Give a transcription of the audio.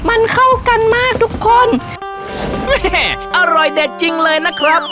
มันเข้ากันมากทุกคนแม่อร่อยเด็ดจริงเลยนะครับ